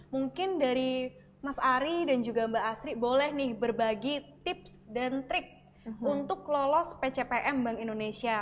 mungkin dari mas ari dan juga mbak asri boleh nih berbagi tips dan trik untuk lolos pcpm bank indonesia